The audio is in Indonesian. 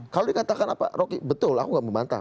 kalau dikatakan apa rocky betul aku nggak memantah